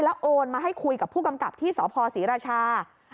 โอนมาให้คุยกับผู้กำกับที่สพศรีราชา